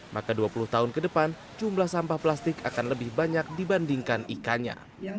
maka dua puluh tahun ke depan jumlah sampah plastik akan lebih banyak dibandingkan ikannya